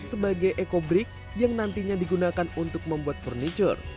sebagai ecobrik yang nantinya digunakan untuk membuat furniture